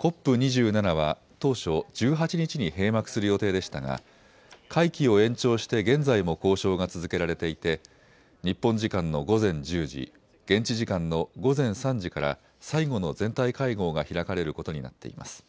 ＣＯＰ２７は当初、１８日に閉幕する予定でしたが会期を延長して現在も交渉が続けられていて日本時間の午前１０時、現地時間の午前３時から最後の全体会合が開かれることになっています。